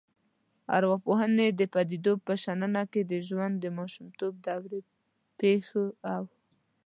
ارواپوهنې د پديدو په شننه کې د ژوند د ماشومتوب دورې پیښو او